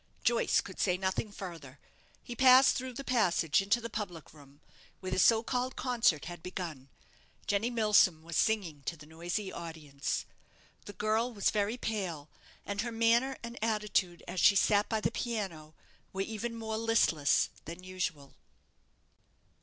Joyce could say nothing further. He passed through the passage into the public room, where the so called concert had begun. Jenny Milsom was singing to the noisy audience. The girl was very pale, and her manner and attitude, as she sat by the piano, were even more listless than usual.